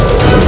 itu udah gila